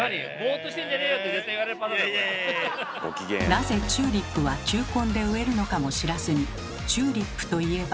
なぜチューリップは球根で植えるのかも知らずにチューリップといえば。